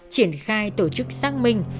triển khai tổ chức xác minh